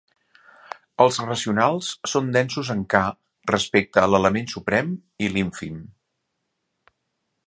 Els racionals són densos en "K" respecte a l'element suprem i l'ínfim.